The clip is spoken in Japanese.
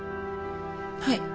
はい。